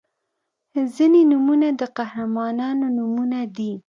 • ځینې نومونه د قهرمانانو نومونه دي.